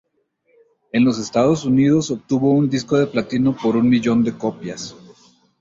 En los Estados Unidos, obtuvo un disco de platino por un millón de copias.